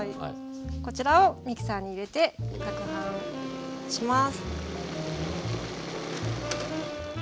こちらをミキサーに入れてかくはんします。